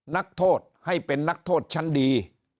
นักโทษให้เป็นนักโทษชั้นดี